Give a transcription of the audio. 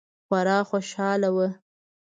خورا خوشحاله وه.